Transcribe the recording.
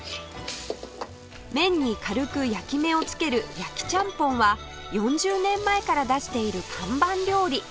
麺に軽く焼き目をつける焼ちゃんぽんは４０年前から出している看板料理